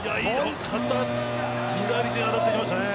左手、当たってきましたね。